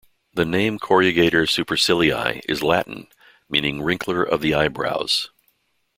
The name "corrugator supercilii" is Latin, meaning "wrinkler of the eyebrows".